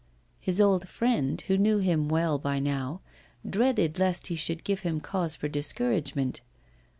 His old friend, who knew him well by now, dreaded lest he should give him cause for discouragement.